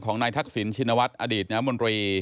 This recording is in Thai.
ของนายทักษิณุชินวัฒน์อดีตมร